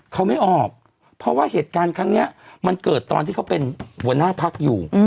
เขาไม่ออกเพราะว่าเหตุการณ์ครั้งนี้มันเกิดตอนที่เขาเป็นหัวหน้าพักอยู่